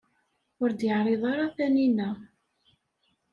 Ur d-yeɛriḍ ara Taninna.